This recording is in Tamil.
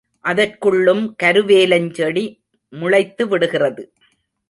அதற்குள்ளும் கருவேலஞ் செடி முளைத்துவிடுகிறது.